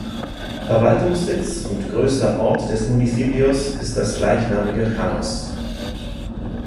Verwaltungssitz und größter Ort des Municipios ist das gleichnamige Janos.